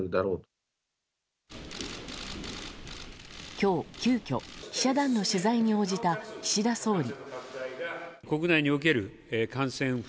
今日、急きょ記者団の取材に応じた岸田総理。